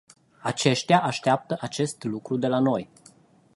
Aceștia așteaptă acest lucru de la noi.